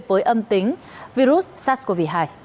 với âm tính virus sars cov hai